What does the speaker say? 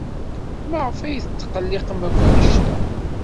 Maɣef ay tetqelliqem akk anect-a?